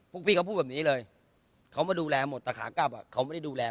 พวกพี่เขาพูดแบบนี้เลยเขามาดูแลหมดแต่ขากลับเขาไม่ได้ดูแล